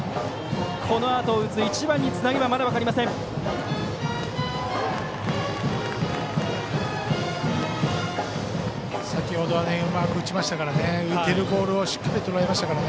このあとを打つ１番につなげばまだ分かりません。